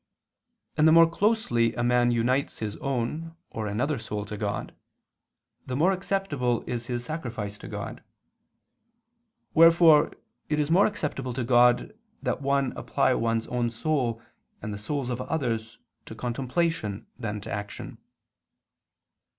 And the more closely a man unites his own or another's soul to God, the more acceptable is his sacrifice to God; wherefore it is more acceptable to God that one apply one's own soul and the souls of others to contemplation than to action.